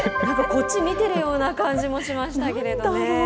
こっち見てるような感じもしましたけれどもね。